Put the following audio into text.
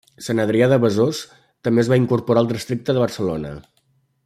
Sant Adrià de Besòs també es va incorporar al districte de Barcelona.